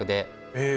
へえ。